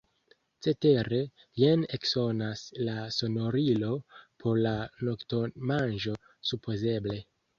Cetere, jen eksonas la sonorilo; por la noktomanĝo, supozeble.